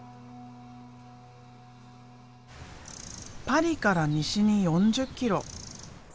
パリから西に４０キロ。